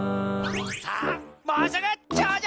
さあもうすぐちょうじょうだ！